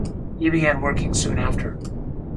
He began working soon after.